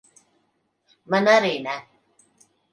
Man arī ne.